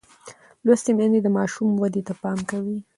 لوستې میندې د ماشوم ودې ته پام کوي.